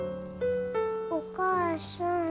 お母さん。